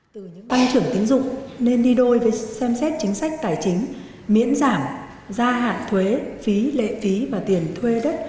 từ tăng trưởng tín dụng nên đi đôi với xem xét chính sách tài chính miễn giảm gia hạn thuế phí lệ phí và tiền thuê đất